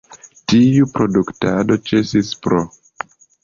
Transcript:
Tiu produktado ĉesis pr.